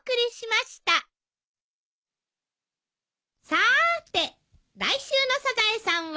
さーて来週の『サザエさん』は？